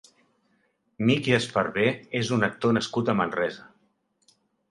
Miki Esparbé és un actor nascut a Manresa.